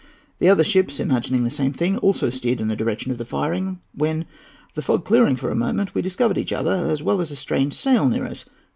The other ships, imagining the same thing, also steered in the direction of the firing, when, the fog clearing for a moment, we discovered each other, as well as a strange sail near us.